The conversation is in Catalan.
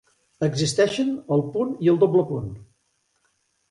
Existeixen el punt i el doble punt.